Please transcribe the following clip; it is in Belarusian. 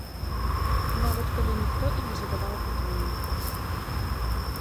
Нават калі ніхто і не задаваў пытання.